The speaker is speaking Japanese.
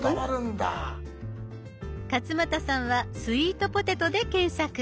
勝俣さんは「スイートポテト」で検索。